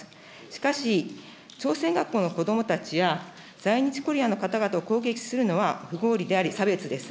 しかし、朝鮮学校の子どもたちや、在日コリアンの方々を攻撃するのは不合理であり、差別です。